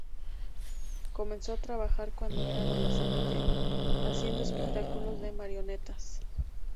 Comenzó a trabajar cuando era adolescente haciendo espectáculos de marionetas.